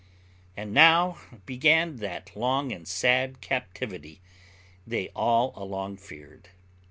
And now began that long and sad captivity they all along feared.